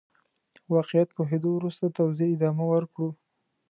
واقعيت پوهېدو وروسته توزيع ادامه ورکړو.